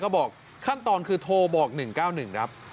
ก็บอกขั้นตอนคือโทรบอก๑๙๑ครับ